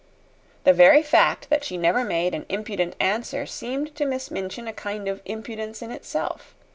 The very fact that she never made an impudent answer seemed to Miss Minchin a kind of impudence in itself.